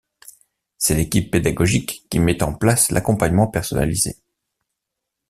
C’est l’équipe pédagogique qui met en place l’accompagnement personnalisé.